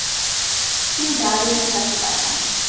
তিনি ডারউইনের কাছে পাঠান।